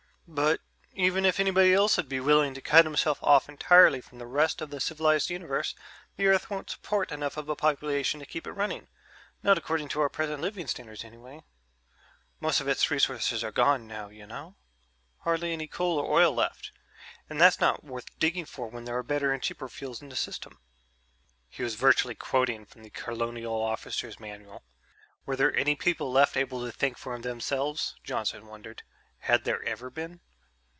But, even if anybody else'd be willing to cut himself off entirely from the rest of the civilized universe, the Earth won't support enough of a population to keep it running. Not according to our present living standards anyway.... Most of its resources are gone, you know hardly any coal or oil left, and that's not worth digging for when there are better and cheaper fuels in the system." He was virtually quoting from the Colonial Officer's Manual. Were there any people left able to think for themselves, Johnson wondered. Had there ever been?